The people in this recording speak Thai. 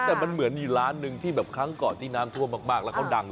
แต่มันเหมือนร้านหนึ่งที่แปบครั้งก่อนที่น้ำทวมมาก